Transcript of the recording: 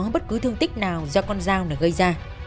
bất cứ thương tích nào do con dao này gây ra